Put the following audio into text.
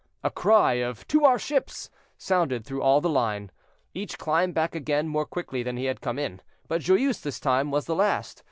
A cry of, "To our ships!" sounded through all the line. Each climbed back again more quickly than he had come in; but Joyeuse, this time, was the last.